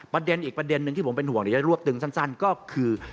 ประเด็นอีกประเด็นหนึ่งที่ผมเป็นห่วงเดี๋ยวจะรวบตึงสั้นก็คือ